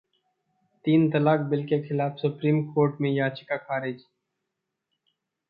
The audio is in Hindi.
तीन तलाक बिल के खिलाफ सुप्रीम कोर्ट में याचिका खारिज